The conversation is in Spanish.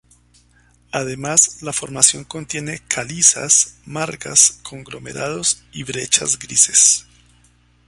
Además, la formación contiene calizas, margas, conglomerados y brechas grises.